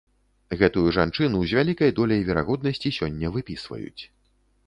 Гэтую жанчыну з вялікай доляй верагоднасці сёння выпісваюць.